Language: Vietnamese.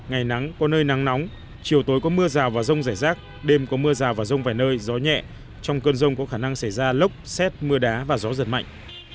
gió đông cấp hai cấp ba trong cơn rông có khả năng xảy ra lốc xét mưa đá và gió giật mạnh